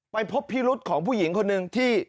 ไปพบพิรุษของผู้หญิงคนหนึ่งที่